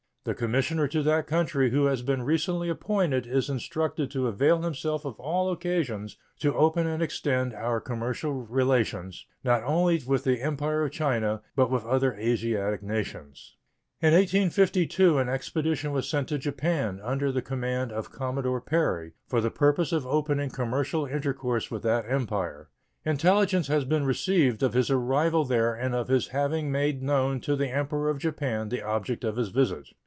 The commissioner to that country who has been recently appointed is instructed to avail himself of all occasions to open and extend our commercial relations, not only with the Empire of China, but with other Asiatic nations. In 1852 an expedition was sent to Japan, under the command of Commodore Perry, for the purpose of opening commercial intercourse with that Empire. Intelligence has been received of his arrival there and of his having made known to the Emperor of Japan the object of his visit.